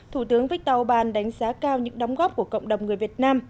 thủ tướng viktor ban đánh giá cao những đóng góp của cộng đồng người việt nam